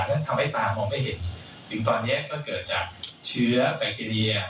และทำให้ตามองไม่เห็นถึงตอนนี้ก็เกิดจากเชื้อแบคทีเรีย